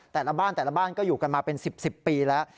แต่ละบ้านแต่ละบ้านก็อยู่กันมาเป็น๑๐ปีแล้ว